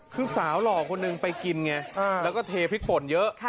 คือสาวหล่อคนหนึ่งไปกินไงแล้วก็เทพริกป่นเยอะ